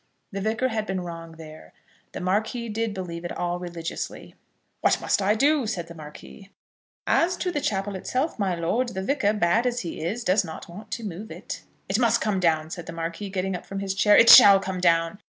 The Vicar had been wrong there. The Marquis did believe it all religiously. "What must I do?" said the Marquis. "As to the chapel itself, my lord, the Vicar, bad as he is, does not want to move it." "It must come down," said the Marquis, getting up from his chair. "It shall come down.